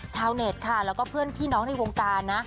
ชาวเน็ตค่ะแล้วก็เพื่อนพี่น้องในวงการนะ